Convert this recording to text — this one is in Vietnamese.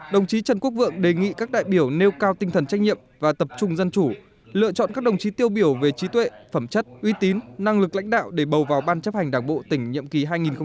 đồng chí trần quốc vượng đề nghị các đại biểu nêu cao tinh thần trách nhiệm và tập trung dân chủ lựa chọn các đồng chí tiêu biểu về trí tuệ phẩm chất uy tín năng lực lãnh đạo để bầu vào ban chấp hành đảng bộ tỉnh nhiệm kỳ hai nghìn hai mươi hai nghìn hai mươi năm